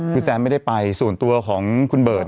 คือแซนไม่ได้ไปส่วนตัวของคุณเบิร์ต